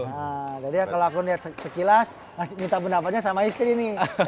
nah jadi kalo aku lihat sekilas minta pendapatnya sama istri nih